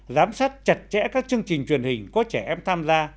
giám sát chặt chẽ các chương trình truyền hình có trẻ em tham gia